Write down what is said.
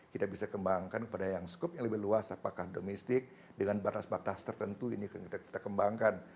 kita bisa kembangkan kepada yang skup yang lebih luas apakah domestik dengan batas batas tertentu ini kita kembangkan